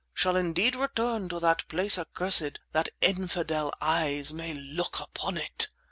Shall indeed return to that place accursed, that infidel eyes may look upon it!